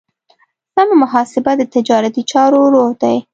سمه محاسبه د تجارتي چارو روح دی.